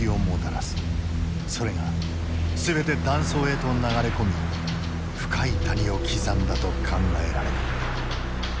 それが全て断層へと流れ込み深い谷を刻んだと考えられる。